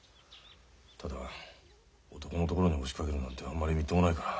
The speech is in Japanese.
ただ男のところに押しかけるなんてあんまりみっともないから。